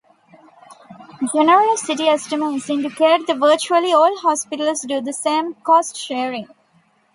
Generosity estimates indicate that virtually all hospitals do some cost sharing.